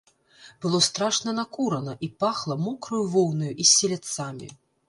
Было страшна накурана, і пахла мокраю воўнаю і селядцамі.